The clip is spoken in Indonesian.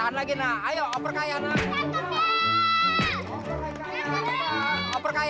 anak ibu cunceng banget